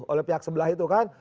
oleh pihak sebelah itu kan